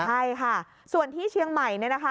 ใช่ค่ะส่วนที่เชียงใหม่เนี่ยนะคะ